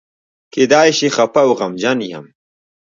کېدای شي خپه او غمجن یم.